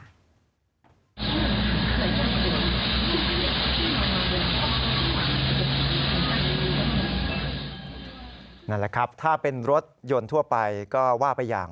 นั่นแหละครับถ้าเป็นรถยนต์ทั่วไปก็ว่าไปอย่าง